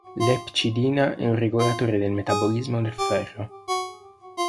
L'epcidina è un regolatore del metabolismo del ferro.